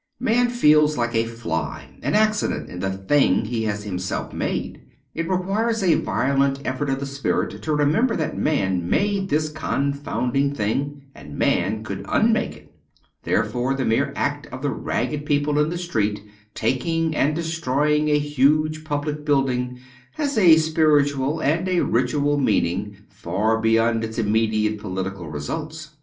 Man feels like a fly, an accident in the thing he has himself made. It requires a violent effort of the spirit to remember that man made this confounding thing and man could unmake it. Therefore the mere act of the ragged people in the street taking and destroying a huge public building has a spiritual, and a ritual, meaning far beyond its immediate political results.